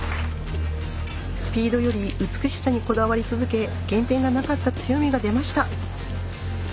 スピードより美しさにこだわり続け減点がなかった強みが出ました！